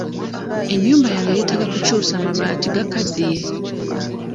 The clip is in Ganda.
Ennyumba yange yeetaaga kukyusa mabaati gakaddiye.